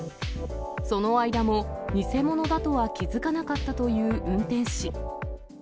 その間も偽者だとは気付かなかったという運転士。